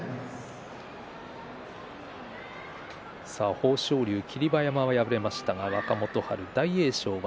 豊昇龍、霧馬山が敗れましたが若元春、大栄翔は